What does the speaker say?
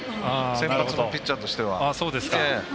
先発のピッチャーとしては。